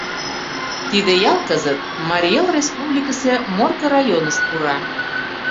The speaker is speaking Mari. тиде ял кызыт Марий Эл Республикысе Морко районыш пура